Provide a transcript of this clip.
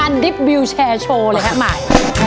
การดริปวิวแชร์โชว์เลยครับหมาย